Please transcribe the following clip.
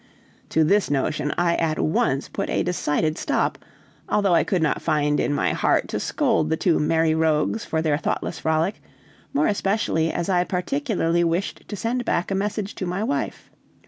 To this notion I at once put a decided stop, although I could not find in my heart to scold the two merry rogues for their thoughtless frolic, more especially as I particularly wished to send back a message to my wife.